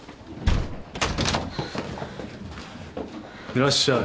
いらっしゃい。